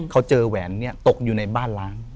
เขาเจอแหวนนี้ตกอยู่ในบ้านล้าง